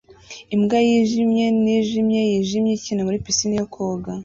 Imbwa yijimye nijimye yijimye ikina muri pisine yo koga